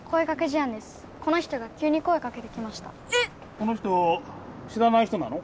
この人知らない人なの？